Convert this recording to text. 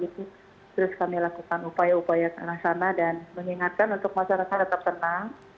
terus kami lakukan upaya upaya ke sana sana dan mengingatkan untuk masyarakat tetap tenang